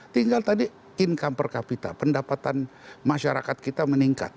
tinggal tadi income per capita pendapatan masyarakat kita meningkat